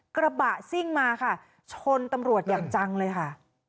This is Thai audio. กระบะซิ่งมาค่ะชนตำรวจอย่างจังเลยค่ะ